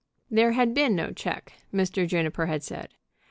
There had been no check, Mr. Juniper had said.